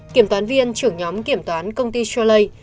kiểm toán viên trưởng nhóm kiểm toán công ty choley